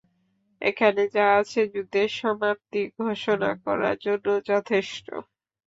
এখানে যা আছে যুদ্ধের সমাপ্তি ঘোষণা করার জন্য যথেষ্ট।